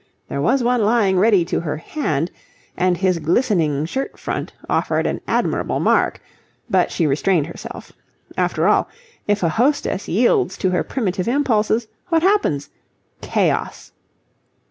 There was one lying ready to her hand, and his glistening shirt front offered an admirable mark; but she restrained herself. After all, if a hostess yields to her primitive impulses, what happens? Chaos.